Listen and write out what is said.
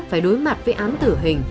phải đối mặt với án tử hình